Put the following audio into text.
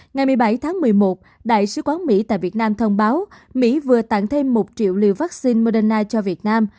ngày một mươi bảy tháng một mươi một đại sứ quán mỹ tại việt nam thông báo mỹ vừa tặng thêm một triệu liều vaccine moderna cho việt nam